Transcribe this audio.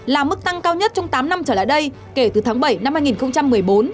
là mức tăng cao nhất trong tám năm trở lại đây kể từ tháng bảy năm hai nghìn một mươi bốn